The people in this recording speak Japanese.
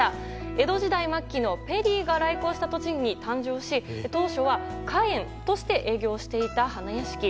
江戸時代末期のペリーが来航した年に誕生し当初は花園として営業していた花やしき。